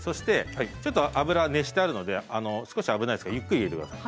ちょっと油は熱してあるので少し危ないですからゆっくり入れてください。